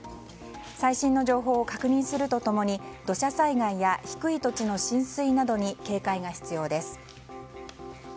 最新の情報を確認するとともに土砂災害や低い土地の浸水などに警戒が必要です。